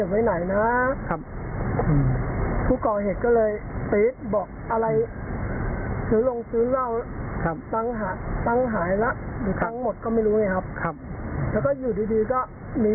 มีดหยิบมีดคู่บาดเจ็บหยิบมีดมา